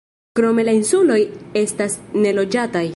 Krome la insuloj estas neloĝataj.